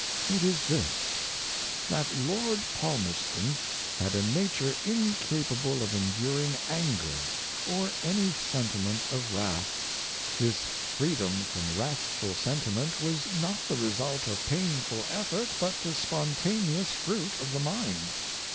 It is this, that Lord Palmerston had a nature incapable of enduring anger 74 Contagiousness of Energy, or any sentiment of wrath. This freedom from wrath ful sentiment was not the result of painful effort, but the spontaneous fruit of the mind.